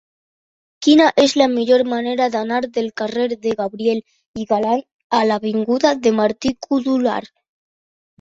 Quina és la millor manera d'anar del carrer de Gabriel y Galán a l'avinguda de Martí-Codolar?